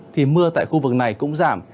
thì mưa tại khu vực này cũng giảm